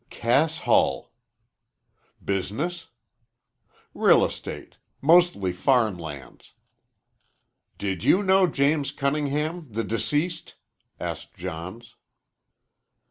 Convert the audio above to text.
"Cass Hull." "Business?" "Real estate, mostly farm lands." "Did you know James Cunningham, the deceased?" asked Johns.